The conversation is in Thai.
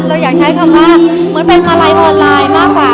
เราอยากใช้คำว่าเหมือนเป็นมาลัยออนไลน์มากกว่า